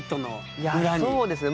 いやそうですね。